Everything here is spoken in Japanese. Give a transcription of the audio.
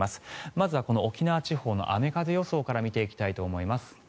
まずは沖縄地方の雨風予想から見ていきたいと思います。